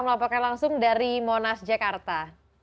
melaporkan langsung dari monas jakarta